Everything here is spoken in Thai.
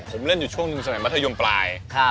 ผมเล่นอยู่ช่วงหนึ่งสมัยมัธยมปลาย